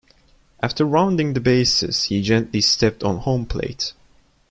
After rounding the bases, he gently stepped on home plate.